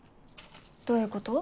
どういうこと？